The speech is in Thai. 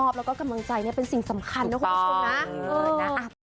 กำกับคือมันเป็นกราฟขาขึ้นทุกอย่างก็ดีหมด